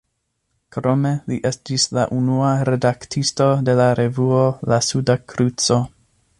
Krome li estis la unua redaktisto de la revuo "La Suda Kruco".